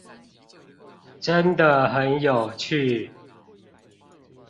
真的很有趣